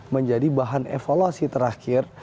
menjadi bahan evaluasi terakhir